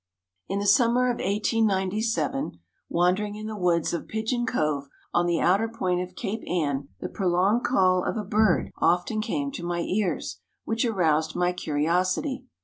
In the summer of 1897, wandering in the woods of Pigeon Cove, on the outer point of Cape Ann, the prolonged call of a bird often came to my ears, which aroused my curiosity.